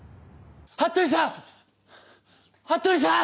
服部さん！